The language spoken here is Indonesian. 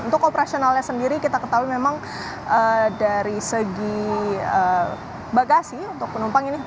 untuk operasionalnya sendiri kita ketahui memang dari segi bagasi untuk penumpang ini